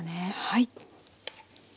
はい。